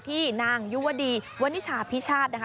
ที่นางยุวดีวันนิชาพิชาตินะคะ